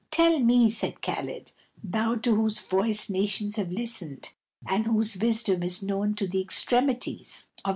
" Tell me," said Caled, " thou to whose voice nations have Ustened, and whose wisdom is known to the extremities ^0.